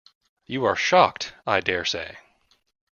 You are shocked, I dare say!